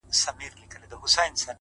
o په یو نظر کي مي د سترگو په لړم نیسې؛